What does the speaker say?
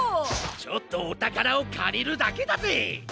ちょっとおたからをかりるだけだぜ！